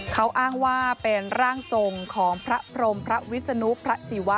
เขาอ้างว่าเป็นร่างทรงของพระพรมพระวิศนุพระศิวะ